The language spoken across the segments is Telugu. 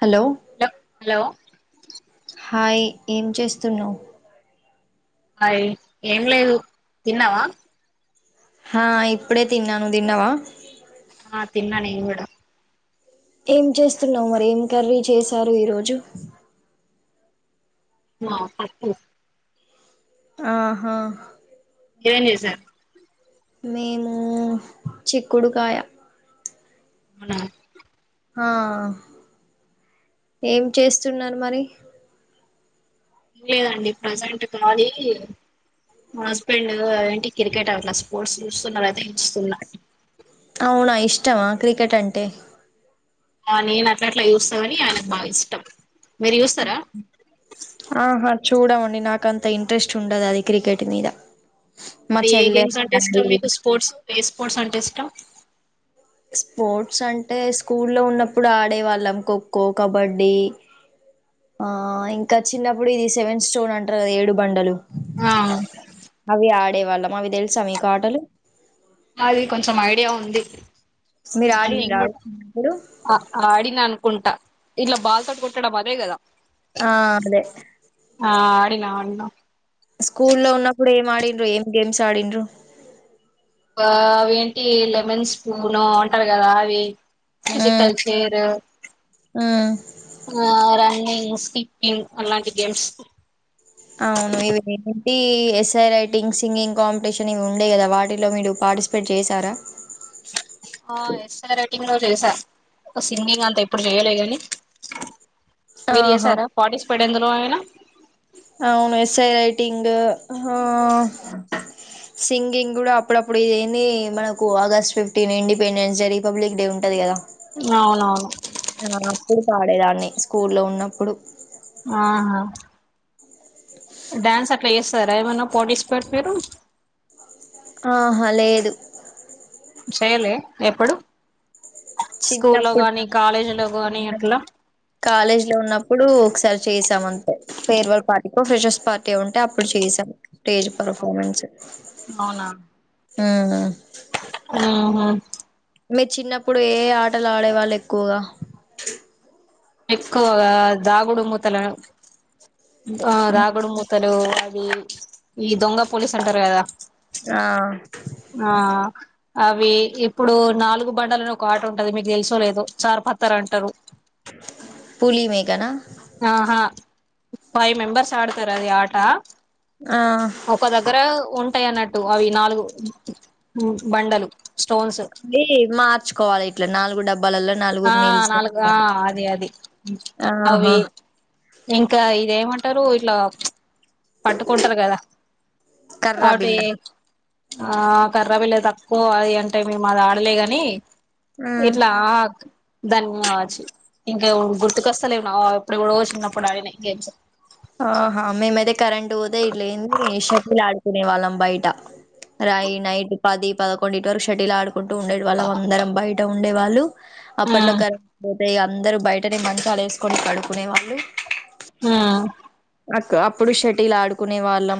హలో లో హలో హాయ్ ఏం చేస్తున్నావ్ అయ్ ఏం లేదు తిన్నావా హ ఇప్పుడే తిన్నాను తిన్నావా ఆ తిన్నా నేకూడ ఏం చేస్తున్నావు మరి ఏం కర్రీ చేశారు ఈ రోజు మా పప్పు ఆహా ఏం చేశారు మేము చిక్కుడుకాయ [inaudible] ఆ ఏం చేస్తున్నారు మరి లేదండి ప్రజెంట్ కాాలీమా హస్బెండ్ ఏంటి క్రికెట్ అట్లా స్పోర్ట్స్ చూస్తున్నారు అయితే చూస్తున్నా అవునా ఐష్ ఇష్టమా క్రికెట్ అంటే ఆ నేను అట్ల అట్లా చూస్తావని ఆయనకు బాగా ఇష్టం మీరు చూస్తారా ఆహా చూడమండి నాకుఅంత ఇంట్రెస్ట్ ఉండదు అది క్రికెట్ మీద మా అ ఏ చెల్లె గేమ్స్ అంటే ఇష్టం మీకు స్పోర్ట్స్ ఏ స్పోర్ట్స్ అంటే ఇష్టం స్పోర్ట్స్ అంటే స్కూల్లో ఉన్నప్పుడు ఆడే వాళ్ళం ఖోఖో కబడ్డీ ఆ ఇంకా చిన్నప్పుడు ఇది సెవెన్్ స్టోన్ అంటారు కదా ఏడు బండలు ఆ అడే వాళ్ళం అవి తెలుసా మీకు ఆటలు అవి కొంచెం ఐడియా ఉంది మీరు ఆడిండ్రా ఆన్నిను అవి చిన్నప్పుడు ఆ ఆడినా అన్కుంటా ఇట్లా బాల్ తోడ్ కొట్టడం అదే గదా ఆ అదే ఆ ఆడినా ఆడినా స్కూల్ లో ఉన్నప్పుడు ఏం ఆడిండ్రు ఏం గేమ్స్ ఆడిండ్ర అవిేంటి లెమన్ స్పూను అంటారు కదా అవి మజ మ్మ్ కల్చర్ మ్మ్ ర అలాంటి గేమ్స్ అవును ఇవి ఏంటి ఎస్ఐ రైటింగ్ సింగింగ్ కాంపిటీషన్ ఇవి ఉండే కదా వాటిలో మీరు పార్టిసిపేట్ చేశార ఆ ఎ సింగలో చేసా సింగింగ్ అంతా ఎప్పుడు చేయలే కానీ మీరు ఆహా ఎసారా ఫటీ ఇప్పుడుందులో అయనా అవును ఎస్ఐ రైటింగ్ ఆ సింగింగ్ కూడా అప్పుడప్పుడు ఇది ఏంది మనకు August fifteen Independence Day Republic Day ఉంటది కదా అవునవును ఆ అప్పుడు పాడేద అ స్కూల్లో ఉన్నప్పుడు ఆ డ్యాన్స్ అట్లా చేస్తారా ఏమైన్నా పోటిసిపేట్ మీరు ఆహా లేదు చేయలే ఎప్పుడు స్కూల్లో చిన్నప్పుడు గాని కాలేజీలో గాని అట్లా కాలేజీ లో ఉన్నప్పుడు ఒకసారి చేసామంత పేర్వల్ పాటి ో ఫెషస్ పార్టీ ఉంటే అప్పుడు చేసాను స్టేజ్ పఫార్మెన్స్ ఆ ఆ మీరు చిన్నప్పుడు ఏ ఆటలు ఆడేవాళ్ళు ఎక్కువగా ఎక్కువగా దాగుడు మూతల రాగడు ముత అది ఈ దొంగ పోలీస్ అంటారు కదా ఆ ఆ అవి ఇప్పుడు నాలుగు బండాలని ఒక ఆట ఉంటది మీకు తెలుసో లేదు చార్పత్తారు అంటారు పులి మీకనా ఆహా ఫైవ్ మెంబెర్స్ ఆడతారు అది ఆట ఆ ఒక ఒక దగ్గర ఉం అట్టాయి అన్నట్టు అవి నాలుగు బండలు స్టోన్స్ అ మార్చుకోవాలి ఇట్లా నాలుగు డబ్బాలలో ఆ నలుగురు నాలుగు ఆ నిల్చొని అది అది అవి ఆహా ఇంకా ఇదేమ అంటారు ఇలా పట్టుకుంటారు కదా కర్రా ఒకటి ఆ కర్ర పిల్ల తక్కువ అది అంటే మేము అది ఆడలే ని బిల్ల ఎట్లా ఆ దధన్యజు ఇంకా గుర్తుకొస్తలేవు ఎప్పుడు కూడా చిన్నప్పుడు ఆడి గేమ్స్ ఆహా మేమైతే కరెంట్ పోతేా ఇట్ లేంది షటిల్ ఆడుకునే వాళ్ళం బయట రాయి నైట్ పది పదకొండు ఇ వరకు షటిల్ ఆడుకుంటూ ఉండే వాళ్ళం అందరం బయట ఉండేవాళ్ళు అప్పట్లో ఉమ్ కర పోతాయి అందరు బయటనే మంచాలు వేసుకొని కడుకునే వాళ్ళు ఆ అ అప్పుడు షటిలు ఆడుకునే వాళ్ళం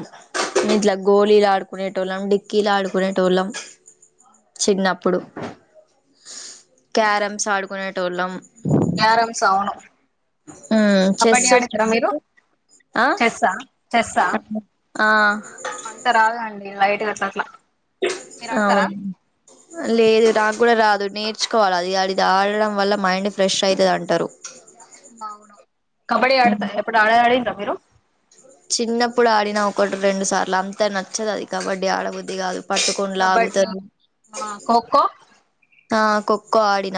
ఇట్లా గోళలు ఆడుకునేటోళ్ళం డిక్కీలు ఆడుకునేటోళ్ళం చిన్నప్పుడు క్యారమ్స్ ఆడుకునేటోళ్ళం గ్యారంస్ ఆవును చెస్ వచ్చా ఆ చెస్సా చెస్సా ఆ ట్లా అవును లేదు నాకు కూడా రాదు నేర్చుకోవాలి అదిది ఆడడం వల్ల మైండ్ ఫ్రెష్ అవుతుంది అంటారు వును కబడి అడత ఎప్పుడు అడ అడ మీరు చిన్నప్పుడు ఆడినా ఒకటి రెండు సార్లు అంతా నచ్చదు అది కబడ్డీ ఆడబుద్ది కాదు పట్టుకొని కబడ్డీ లాగుతారు ఖోఖో ఆ కొక్క ఆడిన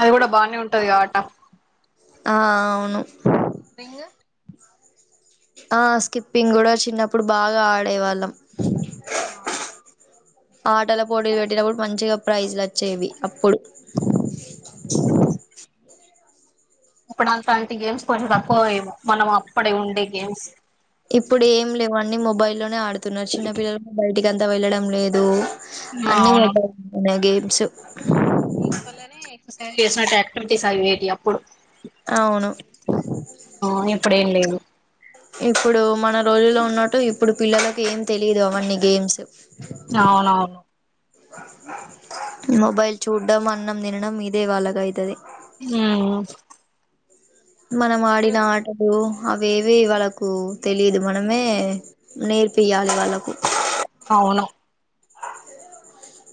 అది కూడా బానే ఉంటది ఆ ఆట ఆ అవును రింగ్ ఆ స్కిప్పింగ్ కూడా చిన్నప్పుడు బాగా ఆడేవాళ్ళం ఆటల పోటీలు పెట్టినప్పుడు మంచిగా ప్రైజ్లు వచ్చేవి అప్పుడు అ అప్పుడు అంతంటి గేమ్స్ కొ తక్కువ మనం అప్పుడే ఉండే గేమ్స్ ఇప్పుడు ఏం లేవు అన్నీ మొబైల్లోనే ఆడుతున్నారు చిన్న పిల్లల బయటికి ఎంత వెళ్ళడం లేదు అన్ని మోటా కప గ ఆంచ సల్నే ఎక్స్ చేసినట్టు యాక్టివిటీస్ అవివేటి అప్పుడు అవును ఎప్పుడ ఏం లేదు ఇప్పుడు మన రోజులో ఉన్నట్టు ఇప్పుడు పిల్లలకి ఏం తెలిదు అవన్నీ గేమ్స్ అవునవును మొబైల్ చూడ్డం అన్నం తినడం ఇదే వాలాగా అవుతుది ఆ మనం ఆడిన ఆటలు అవేవి వాళ్ళకు తెలిదు మనమే నేర్పియాలి వాళ్ళకు అవును అ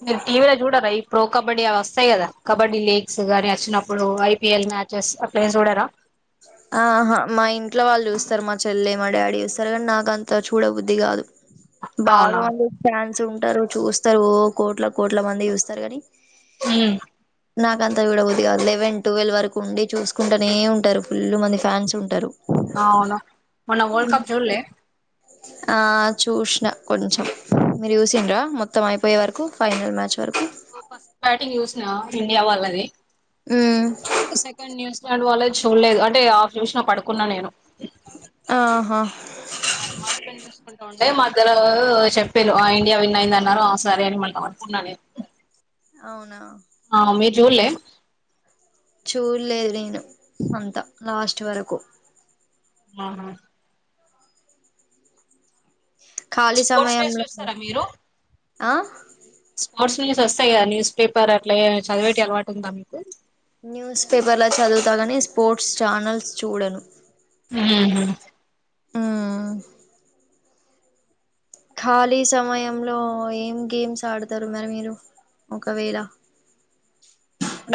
మీరు టీవీలో చూడరా ఈ ప్రో కబడ్డీ అవి వస్తాయి కదా కబడ్డీ లీగ్స్ గాని వచ్చినప్పుడు ఐపీఎల్ మ్యాచెస్ అట్లా ఏం చూడరా ఆహా మా ఇంట్లో వాళ్ళు చూస్తారు మా చెల్లె మా డాడీ చూస్తారు కానీ నాక అంత చూడబుద్ది కాదు బాగా అవునా మళ్లీ ఫ్యాన్ ఉంటరు, చూస్తరు ఓ కోట్ల కోట్ల మంది చూస్తరు కని ఉమ్ నాకంత చూడబుద్ది కాదు. లెవెన్, టువెల్ వరకు ఉండి చూసుకుంటనే ఉంటరు. ఫుల్లు మంది ఫ్యాన్స్ ఉంటరు. అవును మొన్న వర్ల్డ్ కప్ చూల్లే? ఆ చూసిన కొంచెం, మీరు చూసిండ్రా మొత్తం అయిపోయే వరకు? ఫైనల్ మ్యాచ్ వరకు ఫస్ట్ బ్యాటింగ్ చూస్నా. ఇండియా వాళ్ళది. ఉమ్ సెకండ్ న్యూజిలాండ్ వాళ్ళది చూడలేదు, అంటే ఆఫ్ చూస్న పడుకున్న నేను. ఆహా మా హస్బెండ్ చూసుకుంటూ ఉండే, మా హస్ ద్దరలో చెప్పిన్డు, ఆ ఇండియా విన్ అయింది అన్నడు, ఆ సరే అని మళ్ళ పడుకున్నా నేను. అవునా ఆ మీర్ జూడ్లే? చూడలేదు నేను, అంతా లాస్ట్ వరకు. ఆ హ ఖాళీ స్పోర్ట్స్ డేస్ సమయంలో చూస్తారా మీరు ఆ స్పోర్ట్స్ న్యూస్ వస్తయి కదా న్యూస్ పేపర్ అట్ల ఏదైనా చదివేటి అలవాటు ఉందా మీకు? న్యూస్ పేపర్ల చదువుతా గని స్పోర్ట్స్ ఛానల్స్ చూడను. ఉమ్ హు ఆ ఖాళీ సమయంలో ఏం గేమ్స్ ఆడతరు మరి మీరు ఒకవేళ?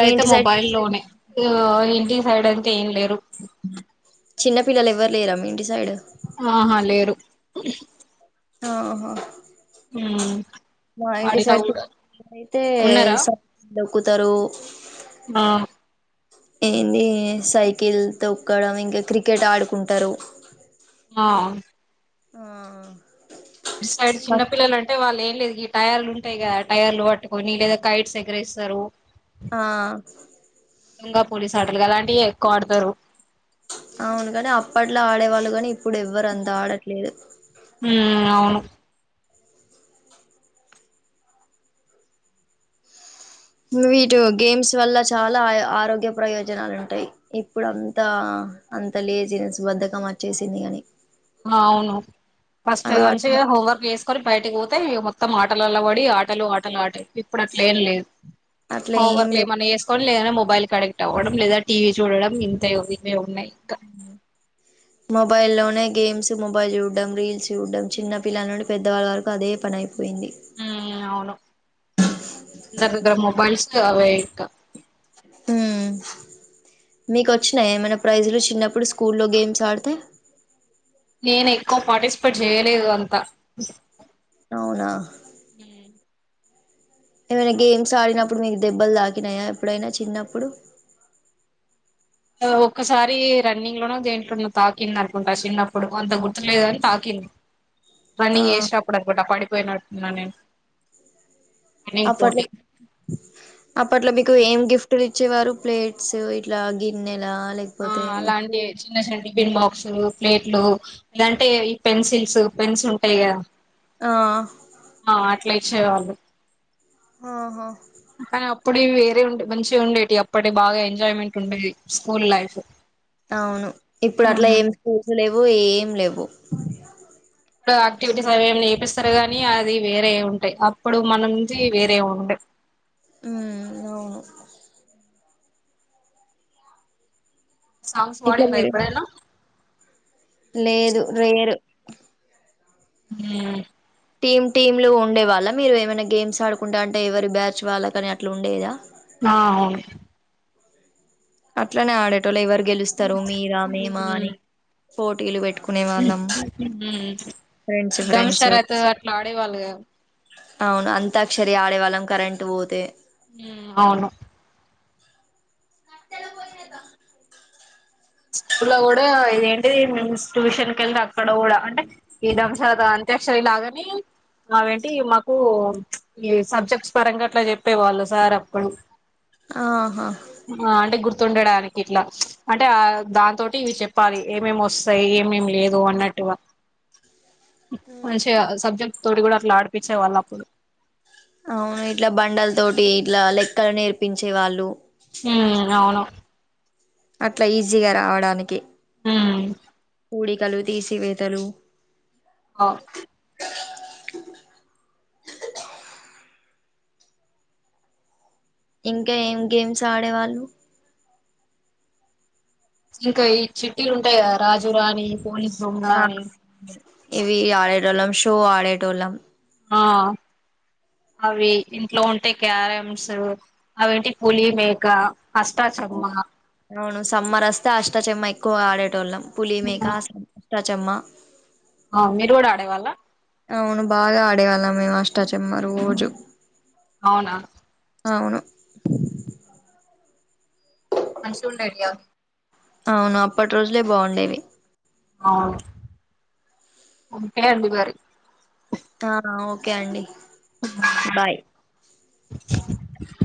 మీ ఇంటి సైడ్ మొబైల్ లోనే. ఇంటి సైడ్ అంటే ఏం లేరు. అ చిన్న పిల్లలు ఎవ్వరు లేరా మీ ఇంటి సైడ్? ఆహా లేరు. ఆహా మా ఇంటి అడినా సైడ్ చు కూడా అయితే ఉన్నారా స కుతరూ ఆ ఏంది సైకిల్ తొక్కడం, ఇంక క్రికెట్ ఆడుకుంటరు. ఆ ఆ సైడ్ చిన్న పిల్లలు అంటే వాల్లెం లేదు గీ టయర్లు ఉంటయి కదా, టయర్లు పట్టుకొని లేదా కైట్స్ ఎగరేస్తరు. ఆ దొంగ పోలీస్ ఆటలు అలాంటివే ఎక్కువ ఆడతారు అవును కాని అప్పట్లో ఆడేవాళ్ళు కాని ఇప్ ఇప్పుడు ఎవ్వరంతా ఆడట్లేదు ఉమ్ అవును మ్మ్ వీటు గేమ్స్ వల్ల చాలా ఆయ ఆరోగ్య ప్రయోజనాలు ఉంటాయి. ఇప్పుడు అంతా అంత లేజినెస్ బద్దకం వచ్చేసింది. అని వును అవును ఫాస్ట్ గ మంచిగ ఆట హోమ్ వర్క్ వేసుకొరి బయటకు పోతే ఇగ మొత్తం ఆటలలో పడి ఆటలు ఆటలు ఆటే ఇప్పుడు అట్లే ఏం లేదు. అట్లా ఏం హోంవర్క్లు లేదు ఏమన్న చేసుకుని లేదనా మొబైల్ కనెక్ట్ అవ్వడం లేదా టీవీ చూడడం ఇంతయ్ ఇవే ఉన్నాయి క్క మొబైల్ లోనే గేమ్స్ మొబైల్ చూడడం రీల్స్ చూడడం, చిన్న పిల్ల నుం పెద్దవాళ్ళ వరకు అదే పనైప్ మ్మె ఇగ అవును అందరి దగ్గర మొబైల్స్ అమెరికా మీకు వచ్చినాయి ఏమైనా ప్రైజలు చిన్నప్పుడు స్కూల్లో గేమ్స్ ఆడితే నేను ఎక్కువ పార్టిసిపేట్ చేయలేదు అంతా అవునా ఏమైనా గేమ్స్ ఆడినప్పుడు మీకు దెబ్బలు తాకినాయా ఎప్పుడైనా చిన్నప్పుడు ఒక్కసారి రన్నింగ్ లోన దేంట్లోన్న తాకింది అనుకుంటా చిన్నప్పుడు కొంత గుర్తులేదు అని తాకింది ఆ రన్నింగ్ ఏష్టాపడదు గట్ట పడి పోయనాడునే అప్పట్లో అప్పట్లో మీకు ఏం గిఫ్ట్లు వచ్చేవారు ప్లేట్స్ ఇట్లా గిన్నె ఆ అలాంటి చిన్న చింటి బిబ అసులు ప్లేట్లు ఇదంటే ఈ పెన్సిల్స్ పెన్స్ ఉంటాయి కదా ఆ అట్లేచ్చే వాళ్ళు ఆహా కానీ అప్పుడ వేరే ఉండే మంచిగా ఉండేటి అప్పటి బాగా ఎంజాయ్మెంట్ ఉండేది స్కూల్ లైఫ్ అవును ఇప్పుడు అట్లా ఏమి స్కూల్స్ లే వు ఏం లేవు ఆయాక్టివిటీస్ అవి ఏమి నేపిస్తారు గానీ అది వేరే ఉంటాయి అప్పుడు మన నుంచి వేరే ఉంటాయి అ అవును సాంగ్స్ ఇట్లా వాడింద మీరు ఇప్పుడేనా లేదు రేరు హ టీమ్ టీమ్లు ఉండే వాళ్ళ మీరు ఏమైనా గేమ్స్ ఆడుకుంటే అంటే ఎవరి బ్యాచ్ వాళ్ళా కానీ అట్లా ఉండేదా ఆ అవును అట్లనే ఆడేట్ అట్టోలో ఎవరు గెలుస్తారు మీరా మేమా అని పోటీలు పెట్ ఫ్రెండ్స్ ఫ్రెండ్స్ దమ్షర్ అయితే అట్లా ఆడేవాళ్ళుగా అవును అంతా అక్షరి ఆడేవాళ్ళం కరెంట్ పోతే అవును స్కూ లో కూడా ఇదేంటి మేము ట్యూషన్ క వెళ్ళి అక్కడ కూడా అంటే ఈదంశాత అంత్యక్షరి లాగానే అవేంటి మాకు ఈ సబ్జెక్ట్స్ పరంగా అట్లా చెప్పే వాళ్ళు సార్ అక్కడు ఆహో తండడానికి ఇట్లా అంటే ఆ దాంతోటి ఇవి చెప్పాలి ఏమేమి వస్తాయి ఏమేమి లేదు అన్నట్టు మంచి సబ్జెక్ట్ తోటి కూడా అట్లా ఆడిపించే వాళ్ళు అప్పుడు అవును ఇట్లా బండల తోటి ఇట్లా లెక్కలు నేర్పించే వాళ్ళు హ అవును అట్లా ఈజీగా రావడానికి హ పూడికలు తీసివేతలు ఆ ఇంకా ఏం గేమ్స్ ఆడేవాళ్ళు ఇంకా ఈ చిట్టీలు ఉంటాయిదా రాజు రాణి పోలీ ఆ ఏవి ఆడటళం షో ఆడేటోళం ఆ అవి ఇంట్లో ఉంటే క్యారమ్స్ అవిేంటి పులి మేక అష్టాచమ్మా అవును సమ్మర్ వస్తే అష్టచమ ఎక్కువ ఆడేట వాళ్ళం పులీ మే కా స అష్టాచమ్మ ఆ మీరు కూడా ఆడేవాళ్ళ అవును బాగా ఆడేవాళ్ళం వాస్తా చె అమ్మా రోజు అవునా అవును మనషూండ అడియా అవును అప్పటి రోజులే బాగుండేవి అవును ఓకే అడి పేరి ఆ ఓకే అండి బాయ్ ఆ